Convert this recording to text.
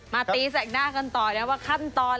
ตีแสกหน้ากันต่อนะว่าขั้นตอน